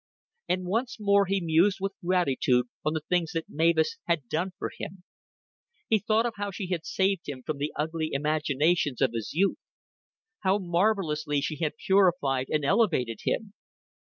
And once more he mused with gratitude on the things that Mavis had done for him. He thought of how she had saved him from the ugly imaginations of his youth. How marvelously she had purified and elevated him!